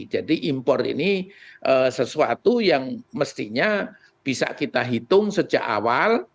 jadi impor ini sesuatu yang mestinya bisa kita hitung sejak awal